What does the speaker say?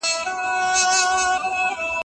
پوهنتون د لارښود د ټاکلو اصول لري.